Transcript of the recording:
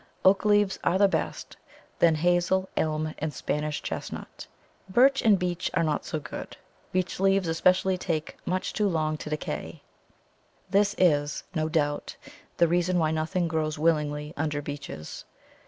Oak leaves are the best, then hazel, elm, and Spanish chestnut. Birch and beech are not so good; beech leaves especially take much too long to decay. This is, no doubt, the reason why nothing grows willingly under beeches.